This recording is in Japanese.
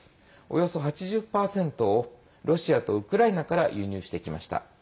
およそ８０％をロシアとウクライナから輸入してきました。